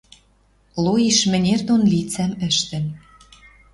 Лоиш мӹнер дон лицӓм ӹштӹн